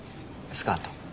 スカート。